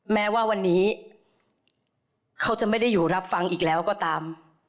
แม้ว่าวันนี้เขาจะไม่ได้อยู่รับฟังอีกแล้วก็ตาม